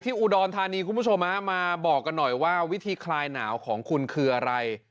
อุดรธานีคุณผู้ชมฮะมาบอกกันหน่อยว่าวิธีคลายหนาวของคุณคืออะไร